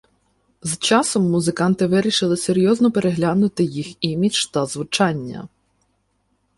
З часом музиканти вирішили серйозно переглянути їх імідж та звучання.